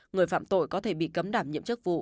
người phạm tội có thể bị cấm đảm nhiệm chức vụ